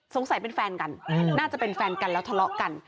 สงสัยเป็นแฟนกันน่าจะเป็นแฟนกันแล้วทะเลาะกัน